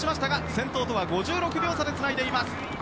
先頭とは５６秒差でつないでいます。